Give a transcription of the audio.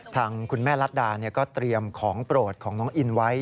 ทางคุณแม่รัฐดาก็เตรียมของโปรดของน้องอินไว้